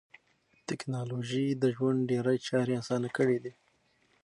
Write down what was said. ټکنالوژي د ژوند ډېری چارې اسانه کړې دي.